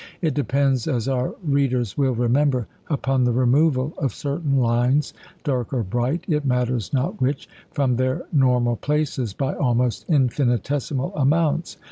It depends, as our readers will remember, upon the removal of certain lines, dark or bright (it matters not which), from their normal places by almost infinitesimal amounts.